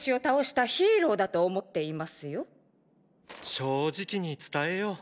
正直に伝えよう。